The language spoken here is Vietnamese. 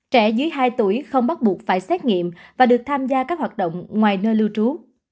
trẻ dưới hai tuổi không bắt buộc phải xét nghiệm và được tham gia các hoạt động ngoài nơi lưu trú